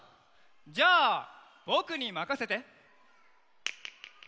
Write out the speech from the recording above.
じゃあぼくにまかせて。